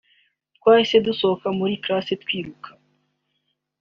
twahise dusohoka muri classe twiruka